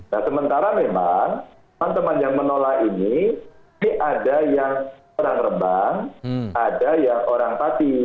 nah sementara memang teman teman yang menolak ini ini ada yang orang rembang ada yang orang pati